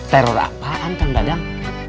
teror apaan kang dadang